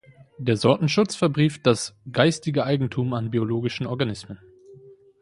Der Sortenschutz verbrieft das geistige Eigentum an biologischen Organismen.